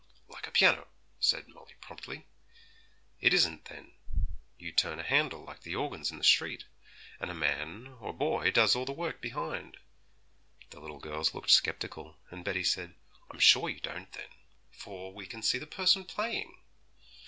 'Like a piano,' said Molly promptly. 'It isn't, then; you turn a handle like the organs in the street, and a man or boy does all the work behind.' The little girls looked sceptical, and Betty said, 'I'm sure you don't, then, for we can see the person playing.'